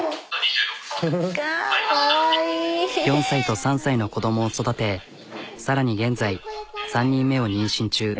４歳と３歳の子どもを育てさらに現在３人目を妊娠中。